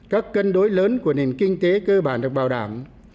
các cân đối lớn của nền kinh tế cơ bản được bảo đảm